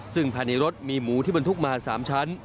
ซึ่งภายในรถมีหมูที่บรรทุกมา๓ชั้น